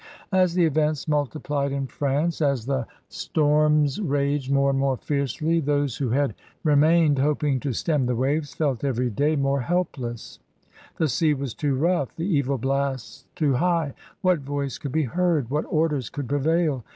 As the events multiplied in France, as the storms CARON. 273 raged more and more fiercely, those who had re mained, hoping to stem the waves, feh every day more helpless; the sea was too rough, the evil blasts too high — what voice could be heard? What orders could prevail?